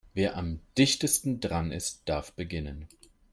Wer am dichtesten dran ist, darf beginnen.